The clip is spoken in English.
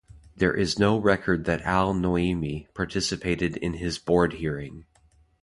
There is no record that Al Noaimi participated in his Board hearing.